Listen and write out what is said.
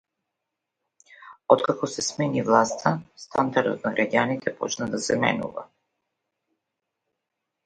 Откако се смени власта стандардот на граѓаните почна да се менува.